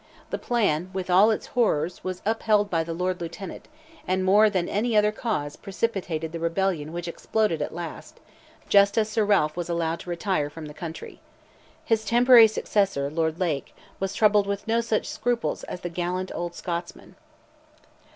The plan, with all its horrors, was upheld by the Lord Lieutenant, and more than any other cause, precipitated the rebellion which exploded at last, just as Sir Ralph was allowed to retire from the country. His temporary successor, Lord Lake, was troubled with no such scruples as the gallant old Scotsman.